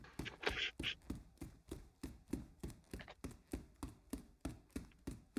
Zuzenbidea eta Zientzia Politikoak ikasi zituen Bogotan, Londresen eta Parisen.